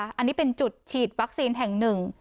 อันนี้เป็นจุดฉีดวัคซีนแห่งหนึ่ง